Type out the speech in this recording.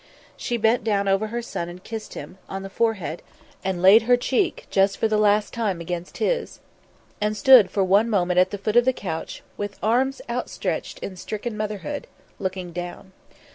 She bent down over her son and kissed him, on the forehead and laid her cheek just for the last time against his, and stood for one moment at the foot of the couch, with arms outstretched in stricken motherhood, looking down.